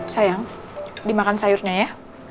sayang dimakan sayurnya ya